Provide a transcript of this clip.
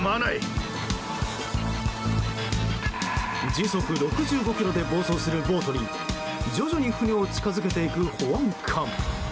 時速６５キロで暴走するボートに徐々に船を近づけていく保安官。